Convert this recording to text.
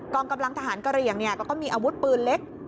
องกำลังทหารกระเหลี่ยงก็มีอาวุธปืนเล็ก